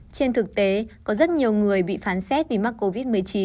trên thực tế có rất nhiều người bị phán xét vì mắc covid một mươi chín